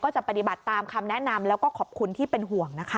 จะปฏิบัติตามคำแนะนำแล้วก็ขอบคุณที่เป็นห่วงนะคะ